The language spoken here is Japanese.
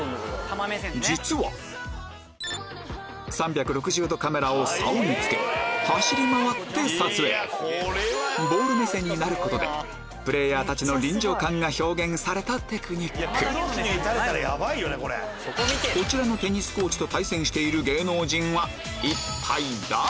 実は３６０度カメラを竿に付け走り回って撮影ボール目線になることでプレーヤーたちの臨場感が表現されたテクニックこちらのテニスコーチと対戦している芸能人は一体誰？